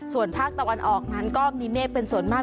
ส่วนภาคตะวันออกนั้นก็มีเมฆเป็นส่วนมาก